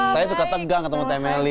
saya suka tegang ketemu teh meli